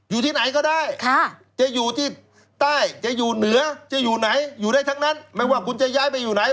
อยู่ที่ไหนก็ได้จะอยู่ที่ใต้จะอยู่เหนือจะอยู่ไหนอยู่ได้ทั้งนั้นไม่ว่าคุณจะย้ายไปอยู่ไหน